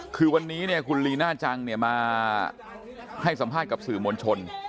คือวันนี้คุณลีน่าจังมาให้สัมภาษณ์กับสื่อมวลชน